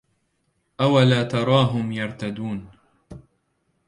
أولا تراهم يرتدون